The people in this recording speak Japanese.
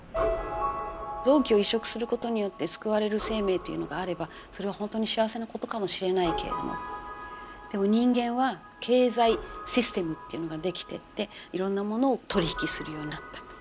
臓器を移植する事によって救われる生命というのがあればそれは本当に幸せな事かもしれないけれどもでも人間は経済システムっていうのができてっていろんなものを取り引きするようになったと。